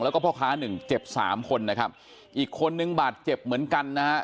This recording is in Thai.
แล้วก็พ่อค้าหนึ่งเจ็บสามคนนะครับอีกคนนึงบาดเจ็บเหมือนกันนะฮะ